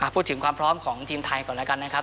พูดถึงความพร้อมของทีมไทยก่อนแล้วกันนะครับ